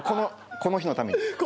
この日のため。